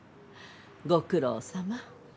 ご苦労さま。